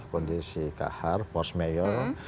kondisi kahar force mayor